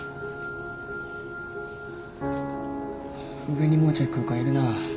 上にもうちょい空間要るな。